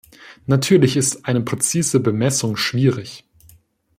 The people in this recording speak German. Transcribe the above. Natürlich ist eine präzise Bemessung schwierig.